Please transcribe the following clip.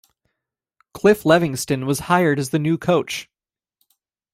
Cliff Levingston was hired as the new coach.